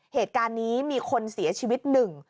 เหตุการณ์นี้มีคนเสียชีวิตหนึ่ง